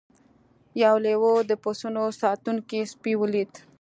یو لیوه د پسونو ساتونکی سپی ولید.